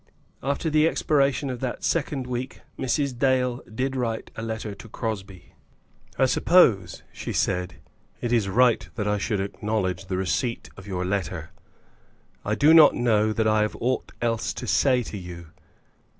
After the expiration of that second week Mrs. Dale did write a letter to Crosbie: I suppose [she said] it is right that I should acknowledge the receipt of your letter. I do not know that I have aught else to say to you.